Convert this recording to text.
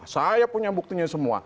saya punya buktinya semua